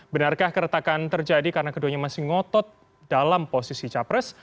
benarkah keretakan terjadi karena keduanya masih ngotot dalam posisi capres